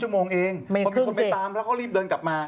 มีคนไปตามแล้วเริ่มเดินกลับมา